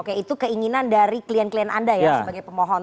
oke itu keinginan dari klien klien anda ya sebagai pemohon